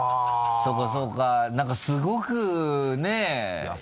そうかそうか何かすごくね。